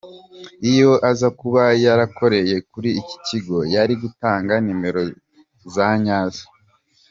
Iyo aza kuba yarakoreye kuri iki kigo yari gutanga nimero za nyazo.